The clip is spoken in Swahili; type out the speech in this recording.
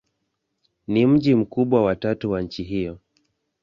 Ni mji mkubwa wa tatu wa nchi hiyo.